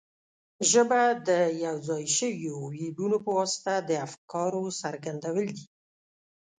ژبه د یو ځای شویو وییونو په واسطه د افکارو څرګندول دي.